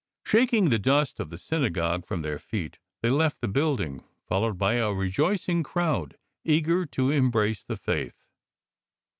Shaking the dust of the synagogue from their feet, they left the building, followed by a rejoicing crowd eager to embrace the Faith.